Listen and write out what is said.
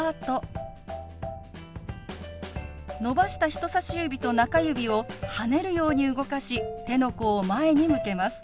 伸ばした人さし指と中指を跳ねるように動かし手の甲を前に向けます。